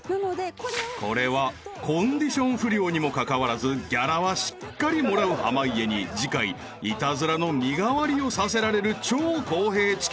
［これはコンディション不良にもかかわらずギャラはしっかりもらう濱家に次回イタズラの身代わりをさせられる超公平チケット］